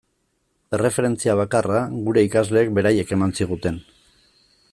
Erreferentzia bakarra gure ikasleek beraiek ematen ziguten.